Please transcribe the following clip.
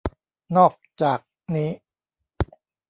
นอกจากนี้